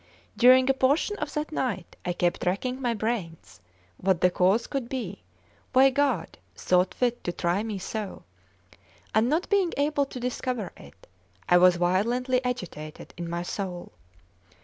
During a portion of that night I kept racking my brains what the cause could be why God thought fit to try me so, and not being able to discover it, I was violently agitated in my soul.